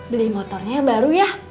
beli motornya baru ya